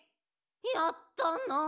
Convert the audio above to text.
・やったなあ！